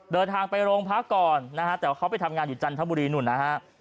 เดินทางไปโรงพักก่อนนะฮะแต่ว่าเขาไปทำงานอยู่จันทบุรีนู่นนะฮะ